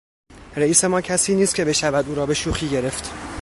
رییس ما کسی نیست که بشود او را به شوخی گرفت.